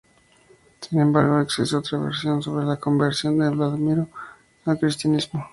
Sin embargo, existe otra versión sobre la conversión de Vladimiro al cristianismo.